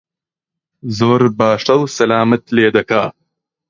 زۆر باشە و سەلامت لێ دەکا